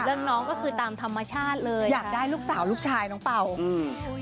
น้องก็คือตามธรรมชาติเลยอยากได้ลูกสาวลูกชายน้องเป่าอืม